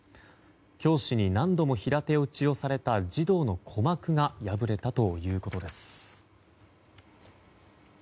教師に何度も平手打ちをされた児童の鼓膜が破れたということです。